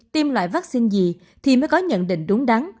tiêm loại vaccine gì thì mới có nhận định đúng đắn